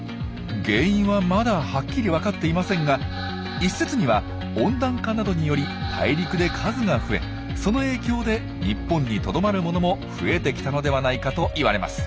原因はまだはっきりわかっていませんが一説には温暖化などにより大陸で数が増えその影響で日本にとどまるものも増えてきたのではないかといわれます。